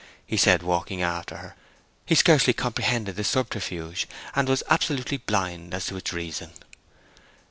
he said, walking after her. He scarcely comprehended the subterfuge, and was absolutely blind as to its reason.